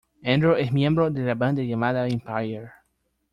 Andrew es miembro de la banda llamada "Empire".